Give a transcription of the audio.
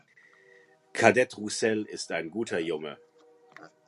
Kadett Rousselle ist ein guter Junge!